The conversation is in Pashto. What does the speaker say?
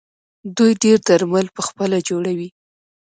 دوی ډیری درمل پخپله جوړوي.